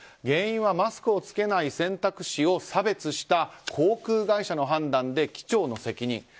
原因はマスクを着けない選択肢を差別した航空会社の判断で機長の責任。